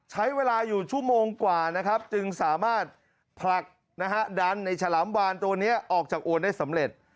ใช้เวลาอยู่ชั่วโมงกว่านะครับจึงสามารถผลักนะฮะดันไอ้ฉลามวานตัวนี้ออกจากโอนได้สำเร็จ